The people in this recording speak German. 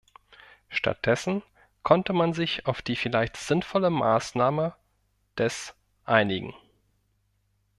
Stattdessen konnte man sich auf die vielleicht sinnvolle Maßnahme des einigen.